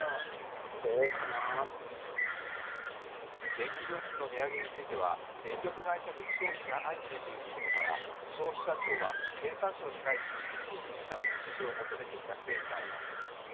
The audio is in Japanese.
電気料金の値上げについては、電力会社に不祥事が相次いでいることから消費者庁は経産省に対し、厳しい審査の実施を求めてきた経緯があります。